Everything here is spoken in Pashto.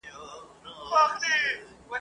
د هرچا به له سفر څخه زړه شین وو ..